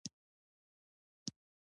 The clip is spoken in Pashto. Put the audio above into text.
آیا کانالیزاسیون سیستم شته؟